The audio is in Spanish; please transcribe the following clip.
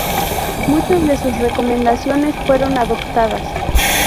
Muchas de sus recomendaciones fueron adoptadas.